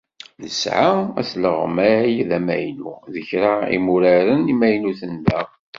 Nesɛa asleɣmay d amaynu d kra n yimuraren imaynuten daɣ.